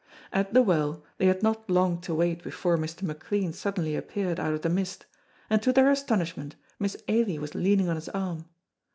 At the Well they had not long to wait before Mr. McLean suddenly appeared out of the mist, and to their astonishment Miss Ailie was leaning on his arm.